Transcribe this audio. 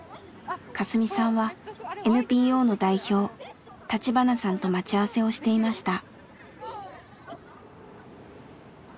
カスミさんはＮＰＯの代表橘さんと待ち合わせをしていました。